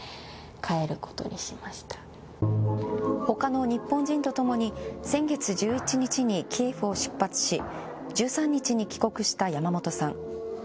ほかの日本人とともに先月１１日にキエフを出発し１３日に帰国した山本さん。